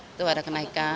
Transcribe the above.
itu ada kenaikan